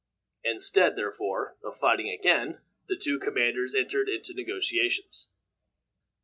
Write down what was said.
Instead, therefore, of fighting again, the two commanders entered into negotiations.